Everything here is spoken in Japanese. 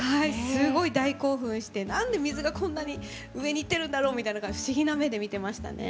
すごい大興奮してなんで水がこんなに上に行ってるんだろうみたいな不思議な目で見てましたね。